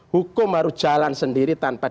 hukum harus jalan sendiri tanpa